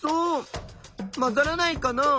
まざらないかな？